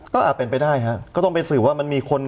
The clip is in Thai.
ก็อาจเป็นไปได้ฮะก็ต้องไปสืบว่ามันมีคน